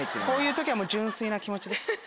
こういう時はもう純粋な気持ちです。